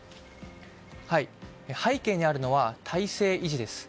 背景にあるのは体制維持です。